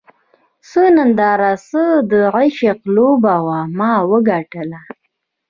څه ننداره څه د عشق لوبه وه ما وګټله